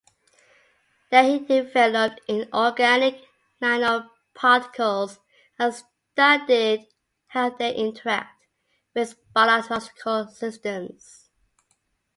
There he developed inorganic nanoparticles and studied how they interact with biological systems.